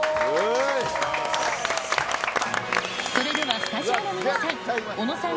それではスタジオの皆さん、小野さん